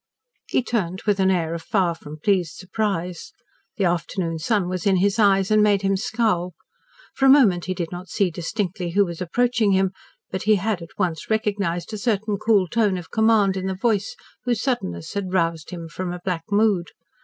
He turned with an air of far from pleased surprise. The afternoon sun was in his eyes and made him scowl. For a moment he did not see distinctly who was approaching him, but he had at once recognised a certain cool tone of command in the voice whose suddenness had roused him from a black mood.